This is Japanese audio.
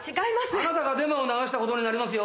あなたがデマを流した事になりますよ！